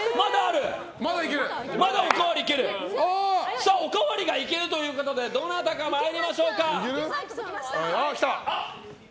さあ、おかわりがいけるということでどなたが参りましょうか。